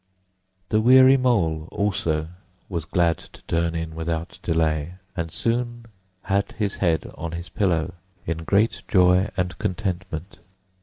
The weary Mole also was glad to turn in without delay, and soon had his head on his pillow, in great joy and contentment.